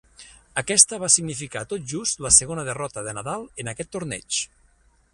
Aquesta va significar tot just la segona derrota de Nadal en aquest torneig.